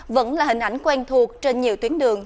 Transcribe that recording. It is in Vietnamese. vẫn là hình ảnh quen thuộc trên nhiều tuyến đường